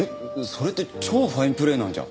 それって超ファインプレーなんじゃ。